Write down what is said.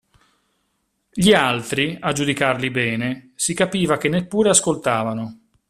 Gli altri, a giudicarli bene, si capiva che neppure ascoltavano.